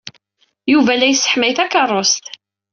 Yuba la yesseḥmay takeṛṛust.